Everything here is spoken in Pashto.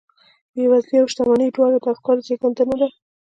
بېوزلي او شتمني دواړې د افکارو زېږنده دي